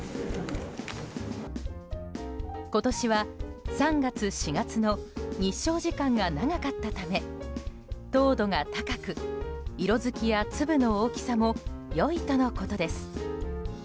今年は、３月４月の日照時間が長かったため糖度が高く色づきや粒の大きさも良いとのことです。